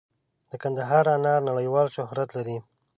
د کندهار انار نړیوال شهرت لري.